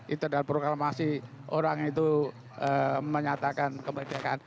itu adalah proklamasi orang itu menyatakan kemerdekaan